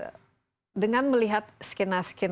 nah dengan melihat skena skenario kini